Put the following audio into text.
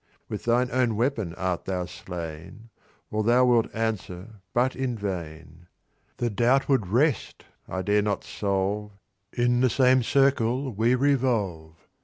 With thine own weapon art thou slain, Or thou wilt answer but in vain. "The doubt would rest, I dare not solve. In the same circle we revolve.